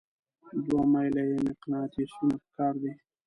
دوه میله یي مقناطیسونه پکار دي.